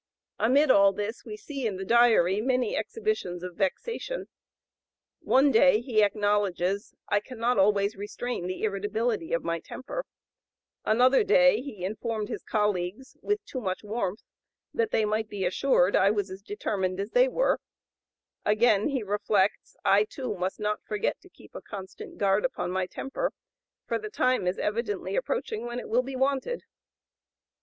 Amid all this we see in the Diary many exhibitions of vexation. One day he acknowledges, "I cannot always restrain the irritability of my temper;" another day he informed his colleagues, "with too much warmth, that they might be assured I was as determined as they were;" again he reflects, "I, too, must not forget to keep a constant guard upon my temper, for the time is evidently approaching when it will be wanted."